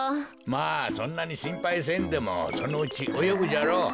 まあそんなにしんぱいせんでもそのうちおよぐじゃろう。